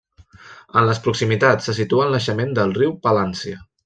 En les proximitats se situa el naixement del riu Palància.